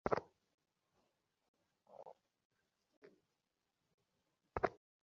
মানতে চাও না, পাছে যে রস এখন ভোগ করছ তাতে একটুও খটকা বাধে।